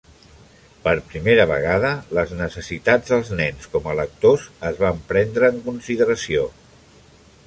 Per primera vegada, les necessitats dels nens com a lectors es van prendre en consideració.